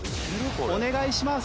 お願いします！